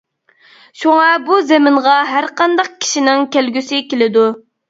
شۇڭا بۇ زېمىنغا ھەر قانداق كىشىنىڭ كەلگۈسى كېلىدۇ.